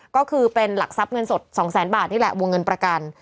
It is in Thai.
ก็คือเป็นหลักทรัพย์เงินสด๒แสนบาทนี่แหละวงเงินประกัน